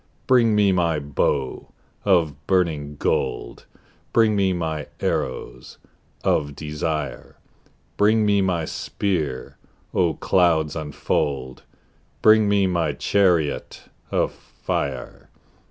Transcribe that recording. Bring me my bow of burning gold: Bring me my arrows of desire: Bring me my spear: O clouds unfold! Bring me my chariot of fire.